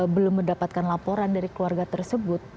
belum mendapatkan laporan dari keluarga tersebut